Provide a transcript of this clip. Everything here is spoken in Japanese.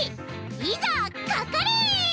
いざかかれ！